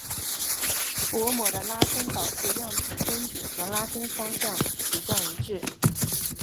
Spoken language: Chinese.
薄膜的拉伸导致样品分子和拉伸方向取向一致。